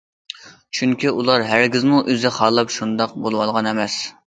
چۈنكى ئۇلار ھەرگىزمۇ ئۆزى خالاپ شۇنداق بولۇۋالغان ئەمەس.